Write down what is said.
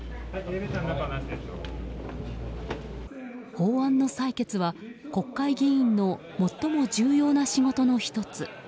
法案の採決は国会議員の最も重要な仕事の１つ。